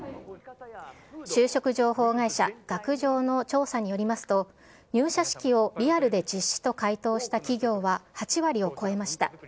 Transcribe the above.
就職情報会社、学情の調査によりますと、入社式をリアルで実施と回答した企業は８割を超えました。